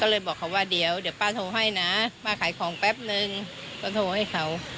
ก็เลยบอกเขาว่าเดี๋ยวป้าโทรให้นะป้าขายของแป๊บนึงก็โทรให้เขา